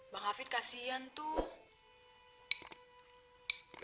bang hafid kasihan tuh